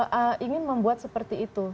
saya ingin membuat seperti itu